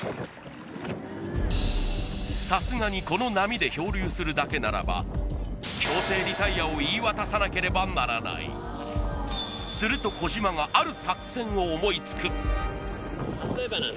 さすがにこの波で漂流するだけならば強制リタイアを言い渡さなければならないすると小島があり？